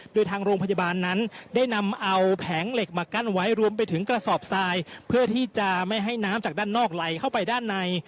โดยทางโรงพยาบาลนั้นได้นำเอาแผงเหล็กมากั้นไว้รวมไปถึงกระสอบทรายเพื่อที่จะไม่ให้น้ำจากด้านนอกไหลเข้าไปด้านใน